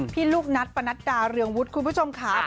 พี่ลูกนัทปนัดดาเรืองวุฒิคุณผู้ชมค่ะ